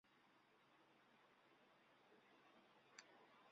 "Buli omu yeetaaga amazzi ag'okunywa, okufumba, okwoza n'okunaaba.